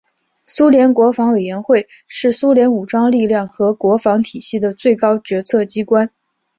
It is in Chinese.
苏联国防委员会是苏联武装力量和国防体系的最高决策机关。